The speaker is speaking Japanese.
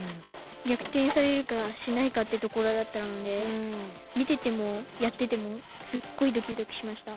ぎゃくてんされるかしないかってところだったので見ててもやっててもすっごいドキドキしました。